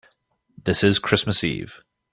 This is Christmas Eve.